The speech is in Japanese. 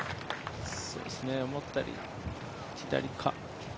思ったより左か。